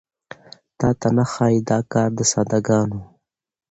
تاته نه ښايي دا کار د ساده ګانو